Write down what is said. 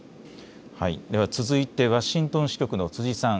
では続いてワシントン支局の辻さん。